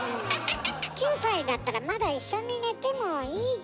９歳だったらまだ一緒に寝てもいいけどね。